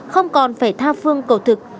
không còn phải tha phương cầu thực